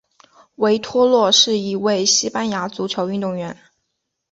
维托洛是一位西班牙足球运动员。